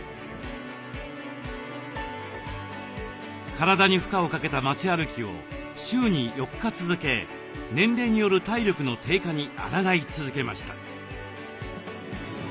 体に負荷をかけた町歩きを週に４日続け年齢による体力の低下にあらがい続けました。